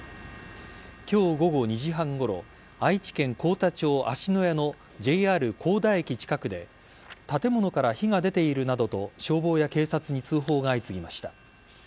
今日午後２時半ごろ愛知県幸田町芦谷のＪＲ幸田駅近くで建物から火が出ているなどと消防や警察に通報が相次ぎました。